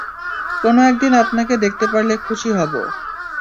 কোনো একদিন আপনাকে দেখাতে পারলে খুশি হবো।